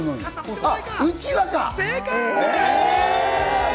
あっ、うちわか！